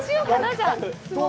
じゃあ。